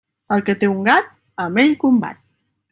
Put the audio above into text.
El que té un gat, amb ell combat.